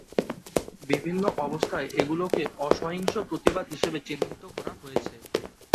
বিভিন্ন অবস্থায় এগুলোকে অহিংস প্রতিবাদ হিসেবে চিহ্নিত করা হয়েছে।